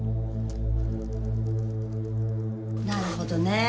なるほどねぇ。